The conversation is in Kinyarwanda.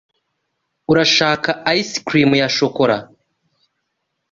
Urashaka ice cream ya shokora?